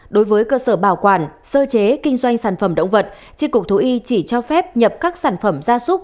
đối với cơ sở bảo quản sơ chế kinh doanh sản phẩm động vật tri cục thú y chỉ cho phép nhập các sản phẩm gia súc